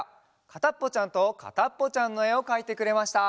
「かたっぽちゃんとかたっぽちゃん」のえをかいてくれました。